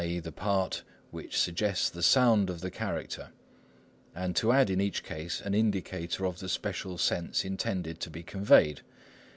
e._ the part which suggests the sound of the character, and to add in each case an indicator of the special sense intended to be conveyed.